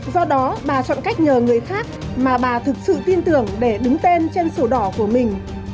do đó bà chọn cách nhờ người khác mà bà thực sự tin tưởng để đứng tên trên sổ đỏ của mình